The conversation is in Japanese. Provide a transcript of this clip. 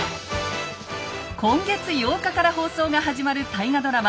今月８日から放送が始まる大河ドラマ